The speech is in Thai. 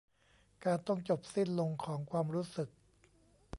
การต้องจบสิ้นลงของความรู้สึก